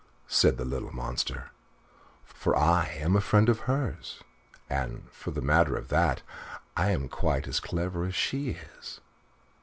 said the little monster, "for I am a friend of hers, and, for the matter of that, I am quite as clever as she is."